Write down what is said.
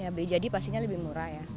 ya b jadi pastinya lebih murah ya